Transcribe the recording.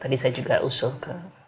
tadi saya juga usul ke